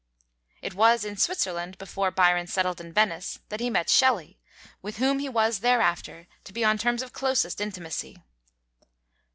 It was in Switzerland, before Byron settled in Venice, that he met Shelley, with whom he was thereafter to be on terms of closest intimacy.